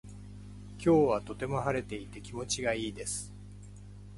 今日はとても晴れていて気持ちがいいです。